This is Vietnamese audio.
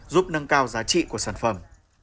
giúp nâng cao giá trị của sản phẩm